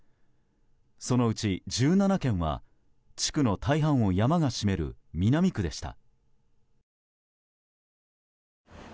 そのうち１７件は、地区の大半を山が占める南区でした。